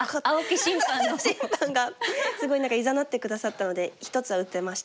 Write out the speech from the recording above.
審判がすごい何かいざなって下さったので１つは打てました。